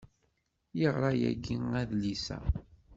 Yeɣra yagi adlis-a.